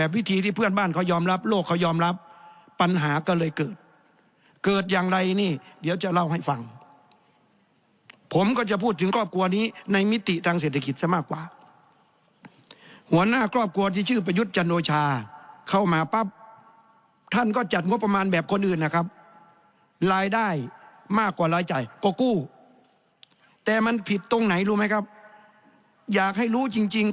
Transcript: พิธีที่เพื่อนบ้านเขายอมรับโลกเขายอมรับปัญหาก็เลยเกิดเกิดอย่างไรนี่เดี๋ยวจะเล่าให้ฟังผมก็จะพูดถึงครอบครัวนี้ในมิติทางเศรษฐกิจซะมากกว่าหัวหน้าครอบครัวที่ชื่อประยุทธ์จันโอชาเข้ามาปั๊บท่านก็จัดงบประมาณแบบคนอื่นนะครับรายได้มากกว่ารายจ่ายก็กู้แต่มันผิดตรงไหนรู้ไหมครับอยากให้รู้จริง